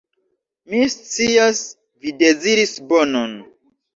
Mi scias, vi deziris bonon.